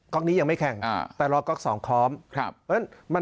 ก๊อกนี้ยังไม่แข่งแต่รอก๊อก๒คล้อม